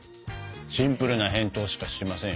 シンプルな返答しかしませんよ。